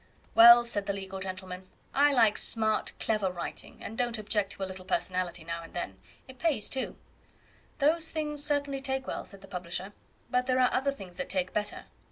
"Well," said the legal gentleman, "I like smart, clever writing, and don't object to a little personality now and then. It pays, too." "Those things certainly take well," said the publisher, "but there are other things that take better."